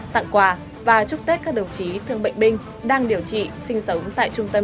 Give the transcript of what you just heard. tặng quà và chúc tết các đồng chí thương bệnh binh đang điều trị sinh sống tại trung tâm